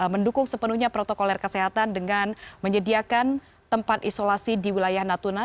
mendukung sepenuhnya protokoler kesehatan dengan menyediakan tempat isolasi di wilayah natuna